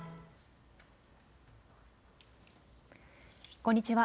こんにちは。